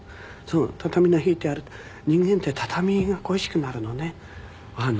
その畳の敷いてある人間って畳が恋しくなるのねああ